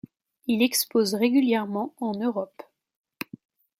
Il expose régulièrement en Europe.